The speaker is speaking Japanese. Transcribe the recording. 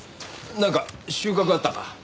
なんか収穫あったか？